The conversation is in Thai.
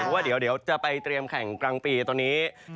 เพราะว่าเดี๋ยวจะไปเตรียมแข่งกลางปีตอนนี้